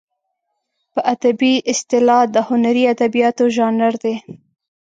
په ادبي اصطلاح د هنري ادبیاتو ژانر دی.